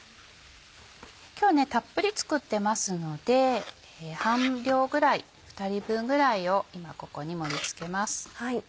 今日はねたっぷり作ってますので半量ぐらい２人分ぐらいを今ここに盛り付けます。